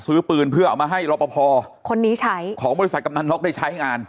ซื้อปืนเพื่อเอามาให้รอปภคนนี้ใช้ของบริษัทกำนันนกได้ใช้งาน